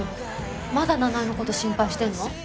まだ奈々江の事心配してるの？